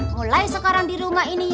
mulai sekarang di rumah ini